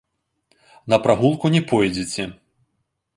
На прагулку не пойдзеце!